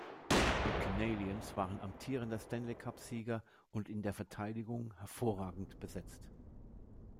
Die Canadiens waren amtierender Stanley-Cup-Sieger und in der Verteidigung hervorragend besetzt.